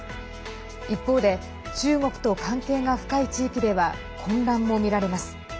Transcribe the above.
一方で中国と関係が深い地域では混乱もみられます。